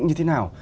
như thế nào